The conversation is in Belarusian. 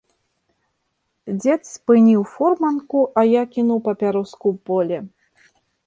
Дзед спыніў фурманку, а я кінуў папяроску ў поле.